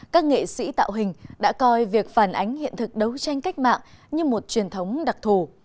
các nghệ sĩ tạo hình đã coi việc phản ánh hiện thực đấu tranh cách mạng như một truyền thống đặc thù